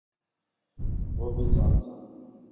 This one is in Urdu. وہ بھی ساتھ تھا